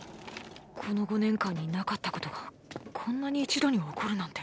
この５年間になかったことがこんなに一度に起こるなんて。